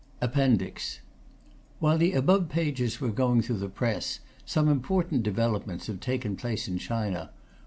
] APPENDIX While the above pages were going through the Press, some important developments have taken place in China.